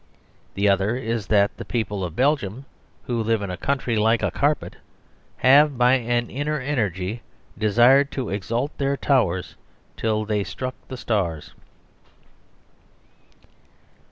The other is that the people of Belgium, who live in a country like a carpet, have, by an inner energy, desired to exalt their towers till they struck the stars.